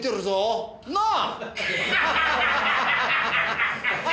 なあ！？